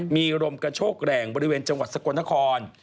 มีลมกระโชกแรงบริเวณจังหวัดสกลนคร